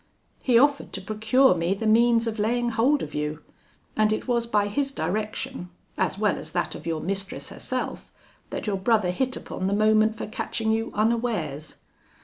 "He offered to procure me the means of laying hold of you; and it was by his direction, as well as that of your mistress herself, that your brother hit upon the moment for catching you unawares.